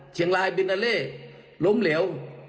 เชียงรายบินนาเล่ล้มเหลว